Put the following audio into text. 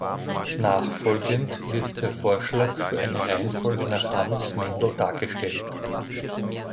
Nachfolgend wird der Vorschlag für eine Reihenfolge nach Hans Mendl dargestellt.